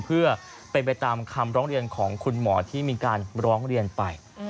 เพื่อเป็นไปตามคำร้องเรียนของคุณหมอที่มีการร้องเรียนไป